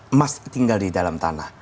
emas tinggal di dalam tanah